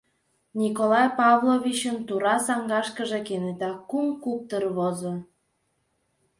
— Николай Павловичын тура саҥгашкыже кенета кум куптыр возо.